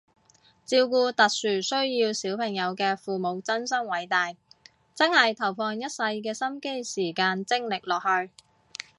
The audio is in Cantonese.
照顧特殊需要小朋友嘅父母真心偉大，真係投放一世嘅心機時間精力落去